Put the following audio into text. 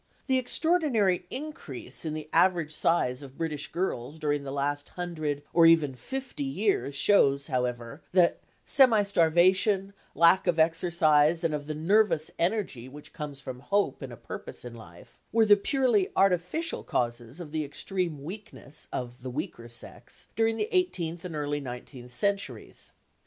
The extraordinary increase in the average size of British girls during the last hundred or even fifty years shows, however, that semi starvation, lack of exercise and of the nervous energy which comes from hope and a purpose in life, were the purely artificial causes of the extreme weakness of the weaker sex during the eighteenth and early nineteenth centuries.